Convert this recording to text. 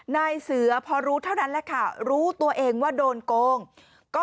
นายเสือพอรู้เท่านั้นแหละค่ะรู้ตัวเองว่าโดนโกงก็